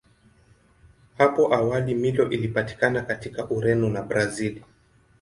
Hapo awali Milo ilipatikana katika Ureno na Brazili.